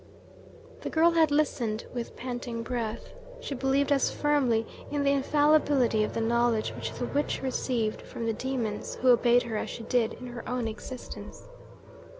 The girl had listened with panting breath. She believed as firmly in the infallibility of the knowledge which the witch received from the demons who obeyed her as she did in her own existence.